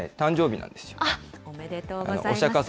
おめでとうございます。